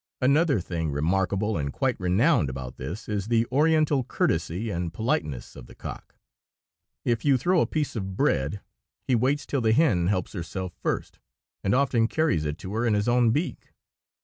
Another thing remarkable and quite renowned about this is the Oriental courtesy and politeness of the cock. If you throw a piece of bread, he waits till the hen helps herself first, and often carries it to her in his own beak.